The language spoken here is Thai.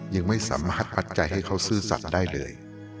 ยังไม่สามารถปัจจัยให้เขาซื่อสัตว์ได้เลย